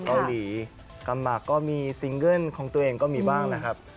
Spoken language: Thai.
เกาหลีกำหมากก็มีซิงเกิ้ลของตัวเองก็มีบ้างนะครับ